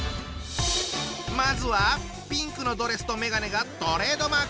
まずはピンクのドレスと眼鏡がトレードマーク！